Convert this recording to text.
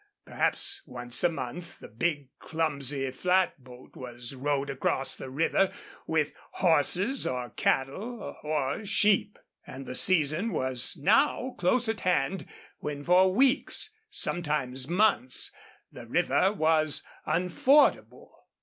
Perhaps once a month the big, clumsy flatboat was rowed across the river with horses or cattle or sheep. And the season was now close at hand when for weeks, sometimes months, the river was unfordable.